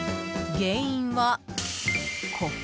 原因は、ここ。